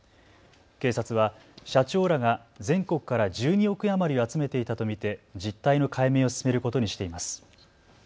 警察は社長らが全国から１２億円余りを集めていたと見て実態の解明を進めることにしています。